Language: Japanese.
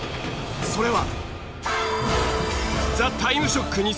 それは。